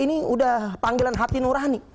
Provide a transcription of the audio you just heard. ini udah panggilan hati nurani